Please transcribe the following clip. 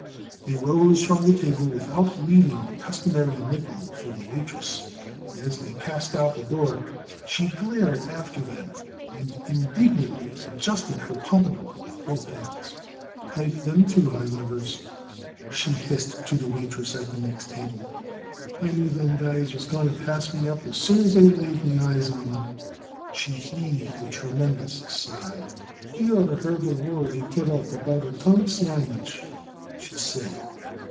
They rose from the table without leaving the customary nickel for the waitress and, as they passed out of the door, she glared after them and indignantly adjusted her pompadour with both hands. "Pipe them two high livers," she hissed to the waitress at the next table. "I knew them guys was going to pass me up as soon as I laid me eyes on 'em." She heaved a tremendous sigh. "Y'orter heard the roar they put up about a tongue sandwich," she said.